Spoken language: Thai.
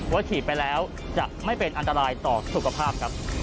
ฉีดไปแล้วจะไม่เป็นอันตรายต่อสุขภาพครับ